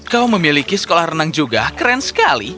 kau memiliki sekolah renang juga keren sekali